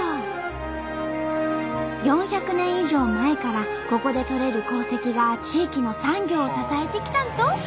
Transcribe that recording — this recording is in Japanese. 以上前からここで採れる鉱石が地域の産業を支えてきたんと！